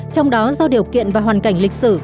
trong đó do điều kiện và hoàn cảnh lịch sử